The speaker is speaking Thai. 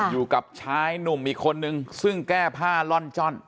อยู่กับชายหนุ่มอีกคนนึงซึ่งแก้ผ้าล่อนจ้อน